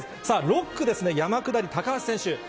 さあ、６区ですね、山下り、高橋選手。